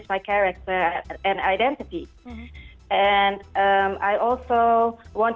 apa karakter dan identitas saya